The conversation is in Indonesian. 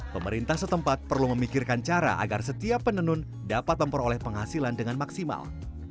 pemerintah setempat perlu memikirkan cara agar setiap penenun dapat memperoleh penghasilan dengan maksimal